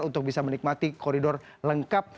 untuk bisa menikmati koridor lengkap